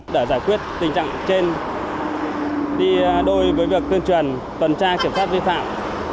để giải quyết tình trạng trên đi đôi với việc tuyên truyền tuần tra kiểm soát vi phạm